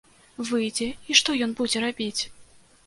Выйдзе, і што ён будзе рабіць?